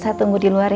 saya tunggu di luar ya